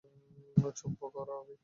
চুপ কর, আভি!